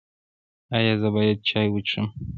ایا زه باید چای وڅښم؟